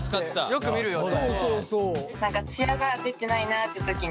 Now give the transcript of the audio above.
よく見るよね。